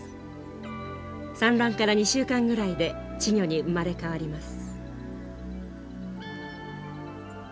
産卵から２週間ぐらいで稚魚に生まれ変わります。